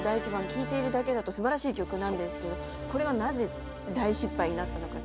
聴いているだけだとすばらしい曲なんですけどこれがなぜ大失敗になったのか。